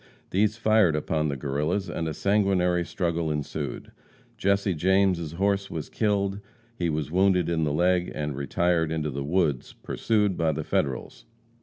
These fired upon the Guerrillas, and a sanguinary struggle ensued. Jesse James' horse was killed; he was wounded in the leg and retired into the woods pursued by the Federals.